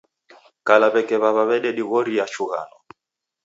Kala w'eke w'aw'a w'ededighoria chughano.